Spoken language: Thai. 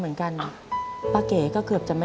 ทำงานชื่อนางหยาดฝนภูมิสุขอายุ๕๔ปี